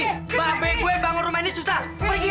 mabek gue bangun rumah ini susah